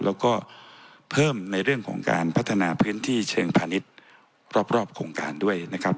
แล้วก็เพิ่มในเรื่องของการพัฒนาพื้นที่เชิงพาณิชย์รอบโครงการด้วยนะครับ